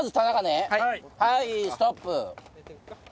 はいストップ。